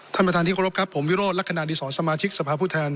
ท่านประธานที่เคารพครับผมวิโรธลักษณะดีศรสมาชิกสภาพผู้แทน